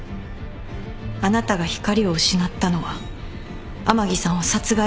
あなたが光を失ったのは甘木さんを殺害したすぐ後。